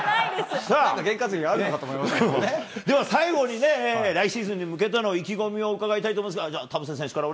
験担ぎがあるのかと思いましでは、最後にね、来シーズンに向けての意気込みを伺いたいと思うんですが、じゃあ、田臥選手